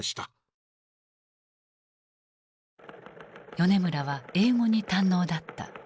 米村は英語に堪能だった。